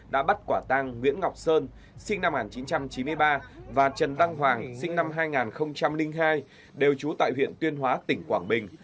đã bắt quả tang nguyễn ngọc sơn sinh năm một nghìn chín trăm chín mươi ba và trần đăng hoàng sinh năm hai nghìn hai đều trú tại huyện tuyên hóa tỉnh quảng bình